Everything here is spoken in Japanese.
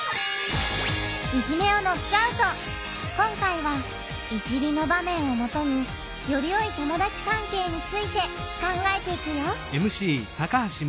今回は「いじり」の場面をもとによりよい友だち関係について考えていくよ！